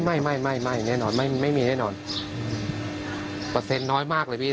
ไม่ไม่ไม่แน่นอนไม่ไม่มีแน่นอนเปอร์เซ็นต์น้อยมากเลยพี่